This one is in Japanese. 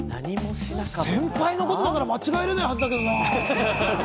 先輩のことだから間違えられないはずだけどなぁ。